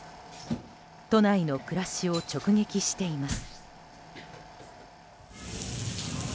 都内の暮らしを直撃しています。